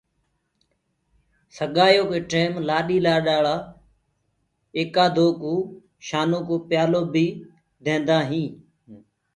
سگآيو ڪي ٽيم لآڏيٚ لآڏآݪآ آيڪا دو ڪوُ شآنو ڪو پيالو بي ديندآ هينٚ۔